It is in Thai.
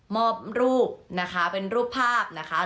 อบรูปนะคะเป็นรูปภาพนะคะ